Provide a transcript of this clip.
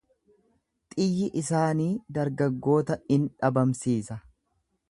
Xiyyi isaanii dargaggoota in dhabamsiisa.